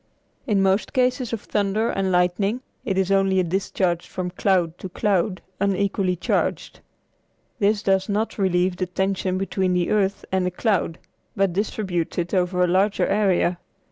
In most cases of thunder and lightning it is only a discharge from cloud to cloud unequally charged. This does not relieve the tension between the earth and the cloud, but distributes it over a larger area.